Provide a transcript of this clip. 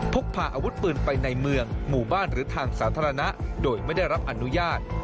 พกพาอาวุธปืนไปในเมืองหมู่บ้านหรือทางสาธารณะโดยไม่ได้รับอนุญาต